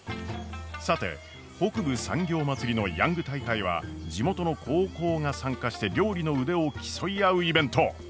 さて北部産業まつりのヤング大会は地元の高校が参加して料理の腕を競い合うイベント。